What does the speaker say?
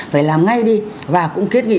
phải làm ngay đi và cũng kiến nghị